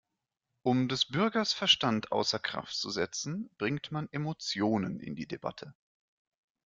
Um des Bürgers Verstand außer Kraft zu setzen, bringt man Emotionen in die Debatte.